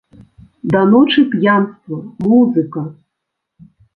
Да ночы п'янства, музыка!